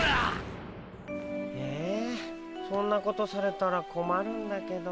えそんなことされたらこまるんだけど。